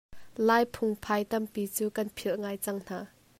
Lai phungphai tampi cu kan philh ngai cang hna.